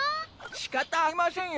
しかたありませんよ。